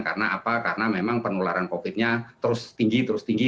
karena apa karena memang penularan covid nya terus tinggi terus tinggi